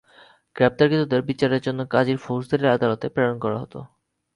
গ্রেপ্তারকৃতদের বিচারের জন্য কাজীর ফৌজদারি আদালতে প্রেরণ করা হতো।